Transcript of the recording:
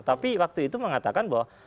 tapi waktu itu mengatakan bahwa